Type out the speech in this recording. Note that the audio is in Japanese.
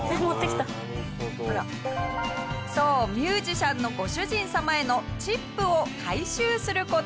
下平：そう、ミュージシャンのご主人様へのチップを回収する事。